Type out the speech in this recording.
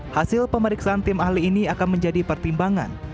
hasil pemeriksaan tim ahli ini akan menjadi pertimbangan